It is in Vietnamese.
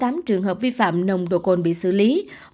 trong đó bảy trăm linh chín trường hợp vi phạm nồng đồ côn bị xử lý